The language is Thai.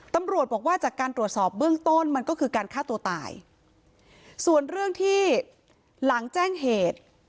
ตำรวจบอกว่าจากการตรวจสอบเบื้องต้นมันก็คือการฆ่าตัวตายส่วนเรื่องที่หลังแจ้งเหตุ